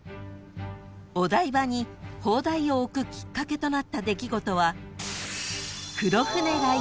［お台場に砲台を置くきっかけとなった出来事は］